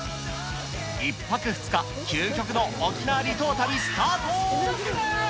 １泊２日、究極の沖縄離島旅、スタート。